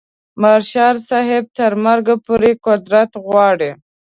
مارشال صاحب تر مرګه پورې قدرت غواړي.